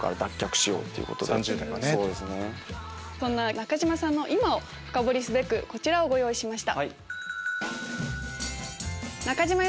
中島さんの今を深掘りすべくこちらをご用意しました。